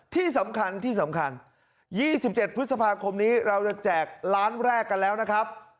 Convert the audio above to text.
ที่สำคัญที่สำคัญ๒๗พฤษภาคมนี้เราจะแจกล้านแรกกันแล้วนะครับ